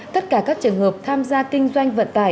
tất cả các trường hợp tham gia